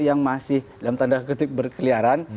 yang masih dalam tanda kutip berkeliaran